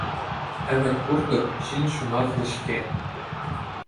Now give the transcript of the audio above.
Ӗмӗт пур-тӑк – ҫын ҫунатлӑ-ҫке.